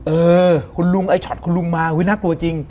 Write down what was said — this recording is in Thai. เออคุณลุงไอ้ช็อตคุณลุงมาอุ๊ยน่ากลัวจริง